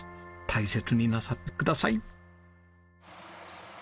大切になさってください。